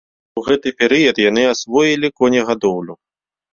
У гэты перыяд яны асвоілі конегадоўлю.